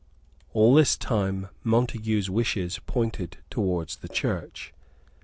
At this time all Montague's wishes pointed towards the Church.